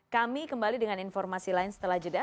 kami kembali dengan informasi lain setelah jeda